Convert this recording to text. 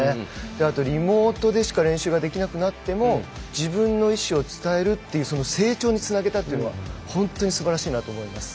あとリモートでしか練習ができなくなっても自分の意思を伝えるという成長につなげたというのは本当にすばらしいなと思います。